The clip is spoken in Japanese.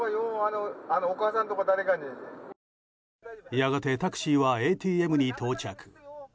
やがてタクシーはＡＴＭに到着。